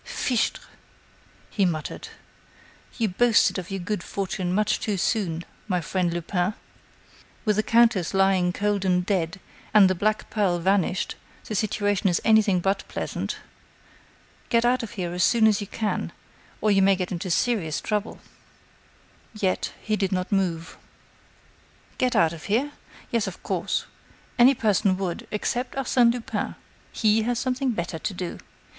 "Fichtre!" he muttered. "You boasted of your good fortune much too soon, my friend Lupin. With the countess lying cold and dead, and the black pearl vanished, the situation is anything but pleasant. Get out of here as soon as you can, or you may get into serious trouble." Yet, he did not move. "Get out of here? Yes, of course. Any person would, except Arsène Lupin. He has something better to do.